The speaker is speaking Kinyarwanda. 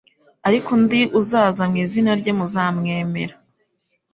ariko undi uzaza mu izina rye muzamwemera".